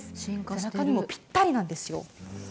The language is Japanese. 背中にも、ぴったりなんですよ。